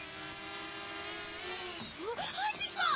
あっ入ってきた！